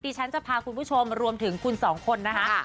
ฉันจะพาคุณผู้ชมรวมถึงคุณสองคนนะคะ